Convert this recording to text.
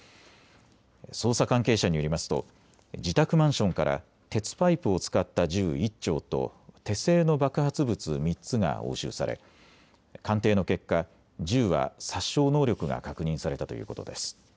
捜査関係者によりますと自宅マンションから鉄パイプを使った銃１丁と手製の爆発物３つが押収され、鑑定の結果、銃は殺傷能力が確認されたということです。